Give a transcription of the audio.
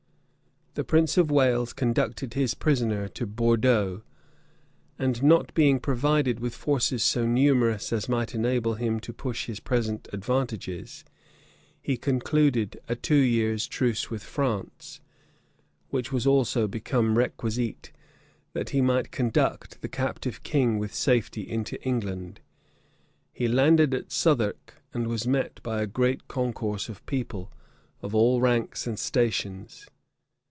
The prince of Wales conducted his prisoner to Bordeaux; and not being provided with forces so numerous as might enable him to push his present advantages, he concluded a two years' truce with France,[] which was also become requisite, that he might conduct the captive king with safety into England. He landed at Southwark, and was met by a great concourse of people, of all ranks and stations.